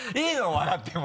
笑っても。